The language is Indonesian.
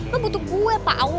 lo butuh gue pak awu